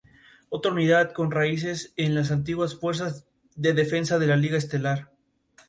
Tras contraer matrimonio con su actual pareja, adoptó su apellido.